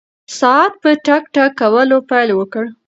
ساعت په ټک ټک کولو پیل وکړ.